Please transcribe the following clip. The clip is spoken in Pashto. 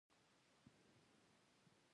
د بزګر تندی خوله وي.